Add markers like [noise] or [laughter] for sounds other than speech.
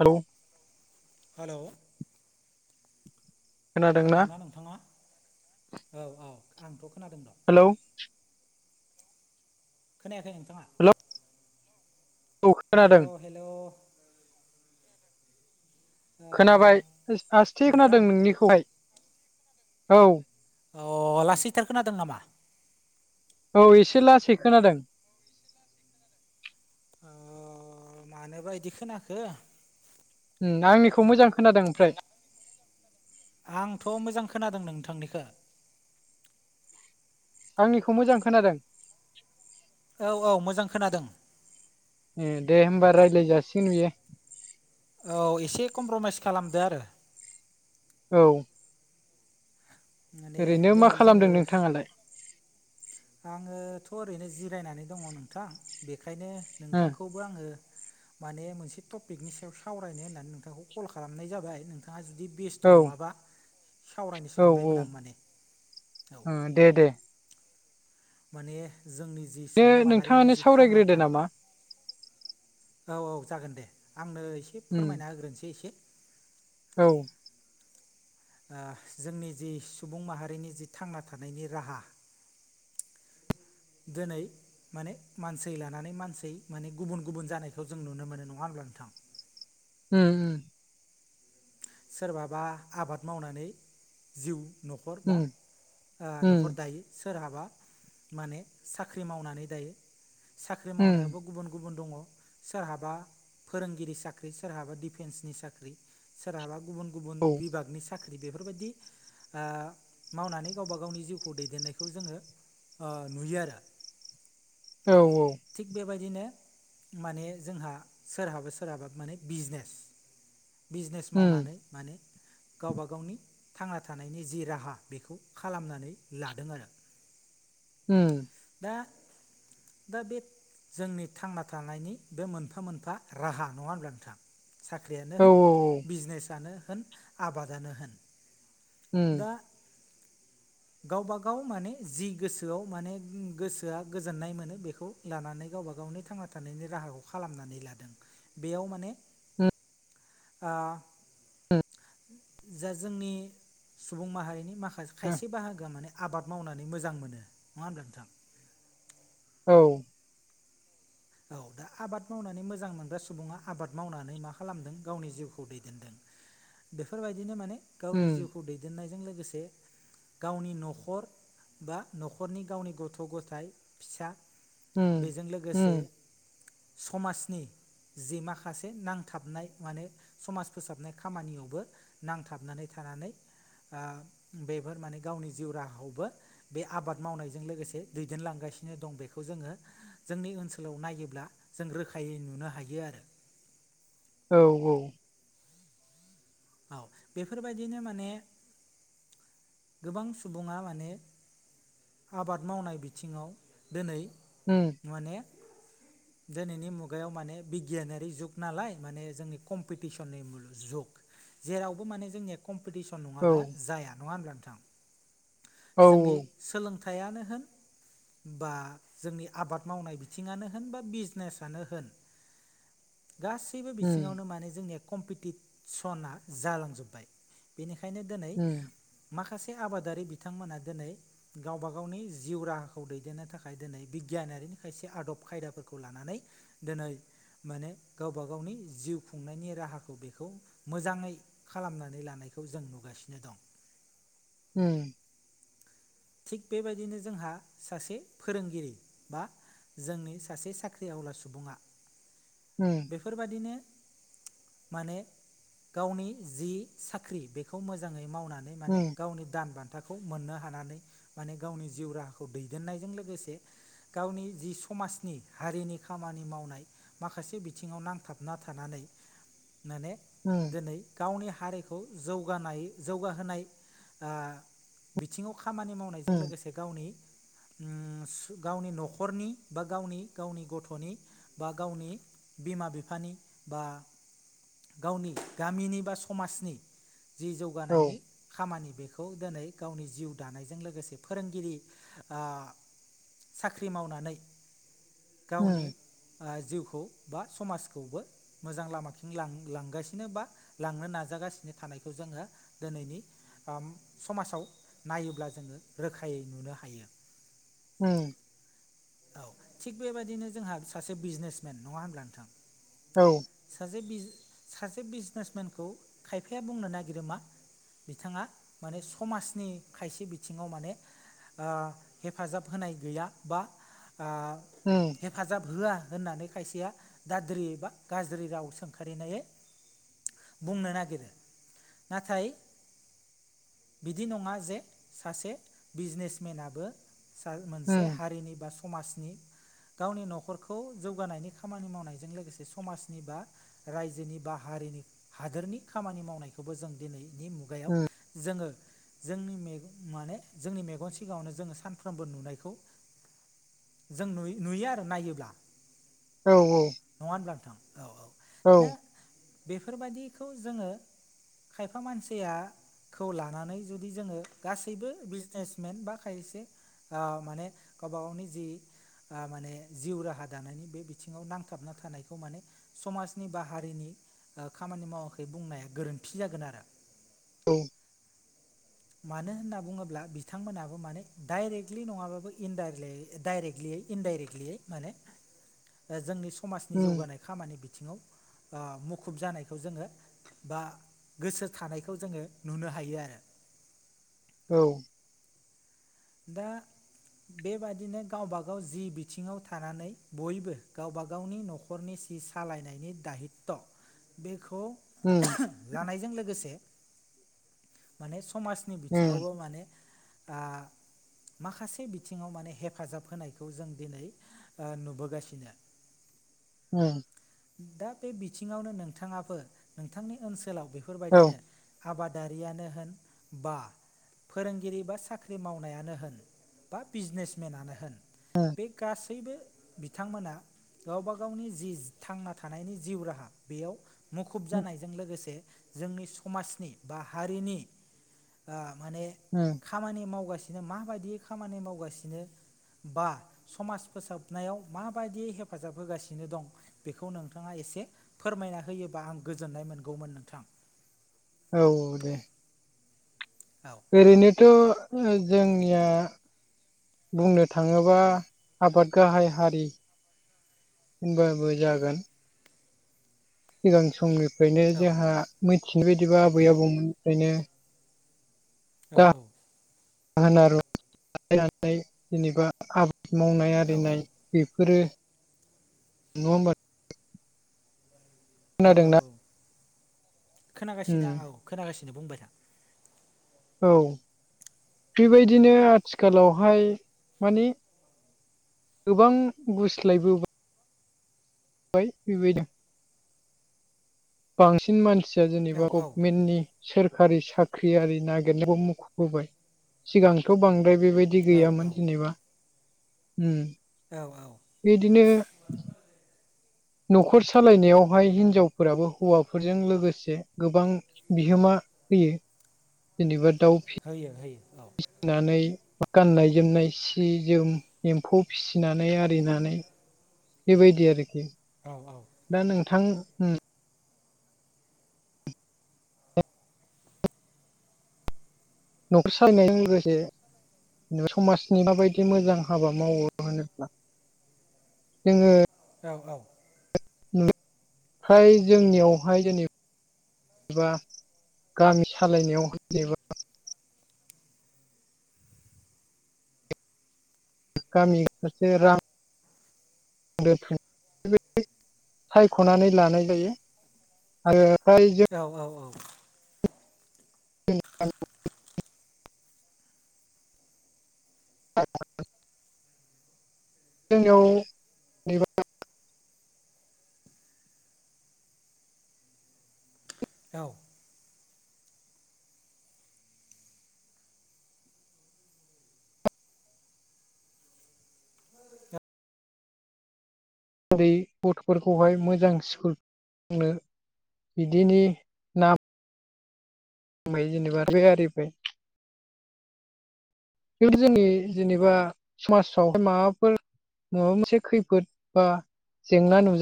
हौ हेलौ खोनादोंना नोंथाङा औ औ आंथ' खोनादों र' हेलौ। खोनायाखै नोंथाङा हेलौ औ खोनादों हेलौ हेलौ। खोनाबाय आस्थे नोंथां खोनादों नोंनिखौहाय औ। अ लासैथार खोनादों नामा? औ एसे लासै खोनादों। अ मानोबा इदि खोनाखो उम आंनिखौ मोजां खोनादों ओमफ्राय? आंथ' मोजां खोनादों नोंथांनिखौ। आंनिखौ मोजां खोनादों औ औ मोजां खोनादों। ए दे होनोमबा रायज्लाय जासिगोन बेयो औ एसे कमप्रमाइस खालामदो आरो। औ। माने ओरैनो मा दिनै जोङो। खालामदों नोंथाङालाय आङोथ' ओरैनो जिरायनानै दङ नोंथां बेखायनो ओ नोंथांखौबो आङो। माने मोनसे टपिकनि सायाव सावरायनो होननानै नोंथांखौ कल खालामनाय जाबाय नोंथाङा जुदि बेस्थ' औ नङाबा सावरायनो औ औ ओ सानबायमोन आं माने औ दे दे। माने जोंनि जि दे सुबुं माहारिनि नोंथाङानो जि थांना सावरायग्रोदो नामा थानायानो औ औ जागोन दे आंनो एसे उम फोरमायना होग्रोनोसै एसे औ। ओ जोंनि जि सुबुं माहारिनि जि थांना थानायनि राहा दिनै माने मानसि लानानै मानसि माने गुबुन गुबुन जानायखौ जों नुनो मोनो नङा होनोमब्ला नोंथां। म उम सोरबाबा आबाद मावनानै जिउ न'खर बा उम उम न'खर दायो। सोरहाबा माने साख्रि मावनानै दायो साख्रि उम मावनायावबो गुबुन गुबुन दङ सोरहाबा फोरोंगिरि साख्रि सोरहाबा दिफेन्सनि साख्रि सोरहाबा गुबुन गुबुन औ बिभागनि साख्रि बेफोर बायदि मावनानै गावबा गावनि जिउखौ दैदेननायखौ जोङो नुयो आरो [inaudible] औ औ थिग बेबायदिनो माने जोंहा सोरहाबा सोरहाबा माने बिजनेस बिजनेस उम मावनानै माने गावब गावनि थांना थानायनि जि राहा बेखौ खालामनानै लादों आरो। [inaudible] हम दा दा बे जोंनि थांना थानायनि बे मोनफा मोनफा राहा नङा होनब्ला नोंथां। साख्रियानो औ होन बिजनेसनो होन आबादानो होन उम दा गावबा गाव माने जि गोसोआव माने गोसोआ गोजोननाय मोनो बेखौ लानानै गावबा गावनि थांना थानायनि राहाखौ खालामनानै लादों बेयाव माने उम [inaudible] [inaudible] जा जोंनि सुबुं माहारिनि माखासे खायसे बाहागोआ माने आबाद मावनानै मोजां मोनो नङा होनोमब्ला नोंथां औ औ दा आबाद मावनानै मोजां मोनग्रा सुबुङा आबाद मावनानै मा खालामदों गावनि जिउखौ दैदेनदों बेफोरबायदिनो माने गावनि उम जिउखौ दैदेननायजों लोगोसे गावनि न'खर बा न'खरनि गावनि गथ' गथायाइ फिसा उम बेजों लोगोसे उम समाजनि जे माखासे नांथाबनाय माने समाज फोसाबनाय खामानियावबो नांथाबनानै थानानै बेफोर माने गावनि जिउ राहाखौबो बे आबाद मावनायजों लोगोसे दैदेनलांगासिनो दं बेखौ जोङो जोंनि ओनसोलाव सओनसोलाव नायोब्ला जों रोखायै नुनो हायो आरो औ औ औ बेफोरबायदिनो माने गोबां सुबुङा माने आबाद मावनाय बिथिङाव दिनै उम माने दिनैनि मुगायाव माने बिगियानारि जुग नालाय माने जोंनि कम्पिटिसननिुु जुग जेरावबो माने जोंनिया कम्पिटिसन औ नङाब्ला जाया नङा होब्ला नोंथां औ जोंनि सोलोंथाइयानो होन बा जोंनि आबाद मावनाय बिथिङानो होन बा बिजनेसनो होन गास गासैबो उम बिथिङावनो माने जोंनिया कम्पिटिसना जालांजोब्बाय बेनिखायनो दिनै उम माखासे आबादारि बिथांमोना दिनै गावबा गावनि जिउ राहाखौ दैदेननो थाखाय दिनै बिगियानारिनि खायसे आदब खायदाफोरखौ लानानै दिनै माने गावबा गावनि जिउ खुंनायनि राहाखौ बेखौ मोजाङै खालामनानै लानायखौ जों नुगासिनो दं म [inaudible] थिग बेबायदिनो जोंहा सासे फोरोंगिरि बा जोंनि सासे साख्रि आवला सुबुङा ह [inaudible] बेफोरबादिनो माने गावनि जि साख्रि बेखौ मोजाङै मावनानै माने उम गावनि दान बान्था खोथाखौ मोननो हानानै माने गावनि जिउ राहाखौ दैदेननायजों लोगोसे गावनि जि समाजनि हारिनि खामानि मावनाय माखासे बिथिङाव नांथाबना थानानै माने उम दिनै गावनि हारिखौ जौगानाय जौगाहोनाय बिथिङाव खामानि मावनायजों उम लोगोसे गावनि गावनि न'खरनि बा गावनि गावनि गथ'नि बा गावनि बिमा बिफानि बा गावनि गामिनि बा समाजनि जि औ जौगानायनि उम खामानि बेखौ दिनै गावनि जिउ दानायजों लोगोसे फोरोंगिरि साख्रि मावनानै गावनो जिउखौ बा समाजखौबो मोजां लामाथिं लां लांगासिनो बा लांनो नाजागासिनो थानायखौ जोङो दिनैनि समाजाव नायोब्ला जोङो रोखायै नुनो हायो उम औ थिग बेबायदिनो जोंहा सासे बिजनेसमेन नङा होनब्ला नोंथां औ सासे सासे बिजनेसमेनखौ खायफाया बुंनो नागिरो मा बिथाङा माने समाजनि खायसे बिथिङाव माने हेफाजाब होनाय गैया बा हम। हेफाजाब होआ होननानै खायसेया दाद्रि बा गाज्रि राव सोंखारिनाय बुंनो नागिरो नाथाय बिदि नङा जे सासे बिजनेसमेनाबो उम मोनसे हारिनि बा समाजनि गावनि न'खरखौ जौगानायनि खामानि मावनायजों लोगोसे समाजनि बा रायजोनि बा हारिनि हादोरनि खामानि मावनायखौबो जों दिनैनि मुगायाव उम औ जोङो जोंनि माने जोंनि मेगन सिगाङावनो जोङो सानफ्रोमबो नुनायखौ जों नु नुयो आरो नायोब्ला औ उम औ उम औ औ औ। नङा होनब्ला नोंथां औ औ। औ बेफोरबायाददिखौ जोङो खायफा मानसिया खौ लानानै जुदि जोङो गासैबो बिजनेसमेन बा खायसे। माने गावबा गावनि जि माने जिउ राहा दानायनि बे बिथिङाव नांथाबना थानायखौ माने समाजनि बा हारिनि खामानि मावाखै बुंनाया गोरोन्थि जागोन आरो। औ। [inaudible] मानो होनना बुङोब्ला बिथांमोनहाबो माने डाइरेक्टलि नङाबाबो इन डाइरेक्टलियै इनडाइरेक्टलियै माने जोंनि समाजनि जौगानाय खामानि बिथिङावु मुखुब जानायखौ जोङो बा गोसो थानायखौ जोङो नुनो हायो आरो। औ दा बेबादिनो गावबागाव जि बिथिङाव थानानै बयबो गावबा गावनि न'खर न'खरनि सि सालायनायनि दायित' बेखौ हम। लानायजों लोगोसे माने समाजनि बिथिङावबो माने दा माखासे बिथिङाव माने हेफाजाब होनायखौ जों दिनै नुबोगासिनो [inaudible] [inaudible] दा बे बिथिङावनो नोंथाङाबो नोंथांनि ओनसोलाव बेफोरबायदिनो आबादारियानो होन बा फोरोंगिरि बा साख्रि माव नो होन बा बिजनेसमेननो होन उम बे गासैबो बिथांमोना गावब गावनि जि थांना थानायनि जिउ राहा बेयाव मुखुब जानायजों लोगोसे जोंनि समाजनि बा हारिनि माने हम खामानि मावगासिनो माबायदि खामानि मावगासिनो। बा समाज फोसाबनायाव माबायदिय हेफाजाब होगासिनो दं। बेखौ नोंथाङा एसे फोरमायना होयोबा आं गोजोननाय मोनगौमोन नोंथां। औ औ दे। औ। ओरैनोथ' जोंनिया बुंनो थाङोबा आबाद गाहाय हारि होनबाबो जागोन सिगां समनिफ्रायनो औ जोंहा मिथिनाय बायदिबा आबै आबौमोननिफ्रायनो औ औ माहोन आरो जेनेबा आबाद मावनाय औ आरिनाय बेफोरो नङा होमबा औ औ खोनादोंना औ खोनागासिनो उम आं औ खोनागासिनो बुंबाय था औ बेबायदिनो आथिखालावहाय माने गोबां गुस्लायबो ओमफ्राय बेबायदि बांसिन मानसिया औ जेनेबा औ गभमेन्टनि सोरखारि साख्रियारि नागिरनायखौ मुखुबबोबाय सिगांथ' बांद्राय बेबायदि बिदि औ गैयामोन जेनेबा औ औ बिदिनो न'खर सालायनायावहाय हिनजावफोराबो हौवाफोरजों लोगोसे गोबां बिहोमा होयो जेनेबा दाउ फिसि होयो होयो औ फिसिनानै गाननाय जोमनाय सि जोम एम्फौ फिसिनानै आरिनानै बेबायदि आरोखि औ औ दा नोंथां न'खर सालायनायजों लोगोसे समाजनि माबायदि मोजां हाबा मावो होनोब्ला जोङो औ औ नुयो फ्राय जोंनियावहाय जेनेब बा गामि सालायनायाव जेनेबा गामि सासे रां आ दोनथुम सायख'नानै लानाय जायो आरो फ्राय जों औ औ औ बे जोंनियाव जेनेबा औ दा जेरै गथ'फोरखौहाय मोजां स्कुलनो बिदिनो फ्राय जेनेबा बे आरिफोर खिन्थु जोंनि जेनेबा समाजावहाय माबाफोर माबा मोनसे खैफोद बा जेंना नुजा